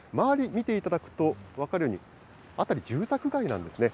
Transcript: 見ていただくと分かるように、辺り住宅街なんですね。